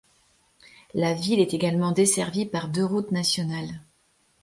La ville est également desservie par deux routes nationales.